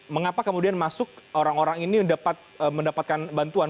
mengapa kemudian masuk orang orang ini mendapatkan bantuan